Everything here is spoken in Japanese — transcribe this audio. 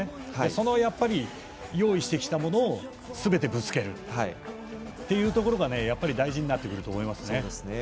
その用意してきたものをすべてぶつけるところが大事になってくると思いますね。